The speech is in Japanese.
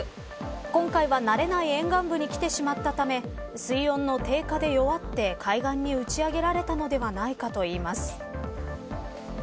今回は、慣れない沿岸部にきてしまったため水温の低下で弱って海岸に、うち上げられたのではないかといいます。